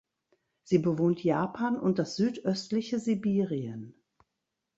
Sie bewohnt Japan und das südöstliche Sibirien.